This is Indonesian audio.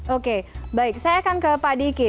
oke baik saya akan ke pak diki